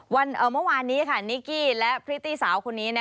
เมื่อวานนี้ค่ะนิกกี้และพริตตี้สาวคนนี้